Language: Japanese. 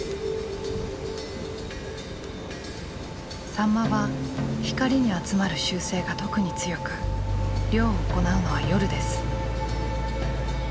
サンマは光に集まる習性が特に強く漁を行うのは夜です。